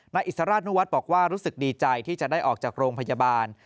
นายอิสราชนุวัฒน์บอกว่ารู้สึกดีใจที่จะได้ออกจากโรงพยาบาล